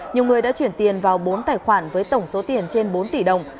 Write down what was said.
nhiều người đã chuyển tiền vào bốn tài khoản với tổng số tiền trên bốn tỷ đồng